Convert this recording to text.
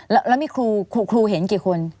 แล้วมีครูเห็นกี่คน